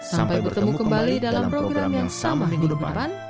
sampai bertemu kembali dalam program yang sama minggu depan